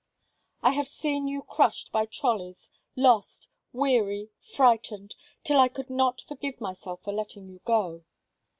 "I have seen you crushed by trolleys, lost, weary, frightened, till I could not forgive myself for letting you go."